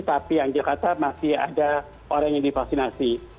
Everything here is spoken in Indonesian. tapi yang jakarta masih ada orang yang divaksinasi